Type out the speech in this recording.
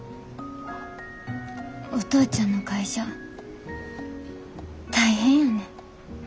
お父ちゃんの会社大変やねん。